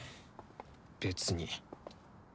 別に。